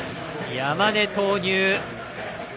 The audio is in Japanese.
山根、投入。